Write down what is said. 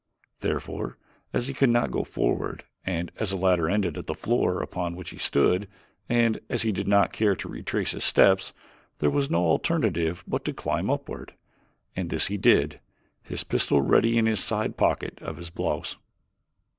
Therefore, as he could not go forward and as the ladder ended at the floor upon which he stood, and as he did not care to retrace his steps, there was no alternative but to climb upward, and this he did, his pistol ready in a side pocket of his blouse.